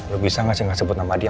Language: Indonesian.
lu bisa gak sih gak sebut nama dia